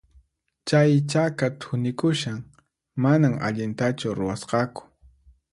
Chay chaka thunikushan, manan allintachu ruwasqaku.